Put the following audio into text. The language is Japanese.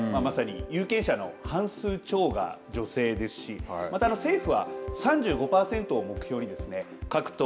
そうですね、まさに有権者の半数超が女性ですしまた政府は３５パーセントを目標にですね